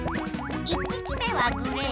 １ぴき目はグレー？